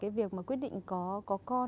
cái việc quyết định có con